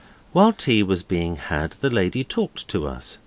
While tea was being had, the lady talked to us.